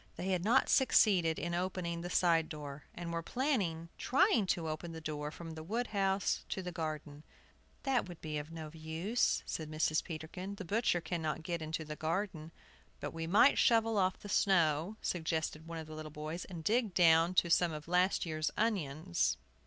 They had not succeeded in opening the side door, and were planning trying to open the door from the wood house to the garden. "That would be of no use," said Mrs. Peterkin, "the butcher cannot get into the garden." "But we might shovel off the snow," suggested one of the little boys, "and dig down to some of last year's onions."